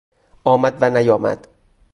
آمد و نیامد